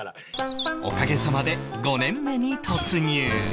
おかげさまで５年目に突入